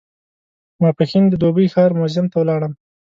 ماپښین د دوبۍ ښار موزیم ته ولاړم.